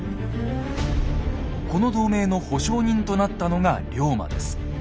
この同盟の保証人となったのが龍馬です。